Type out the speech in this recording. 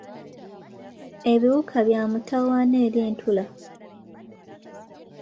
Ebiwuka bya mutawaana eri entula.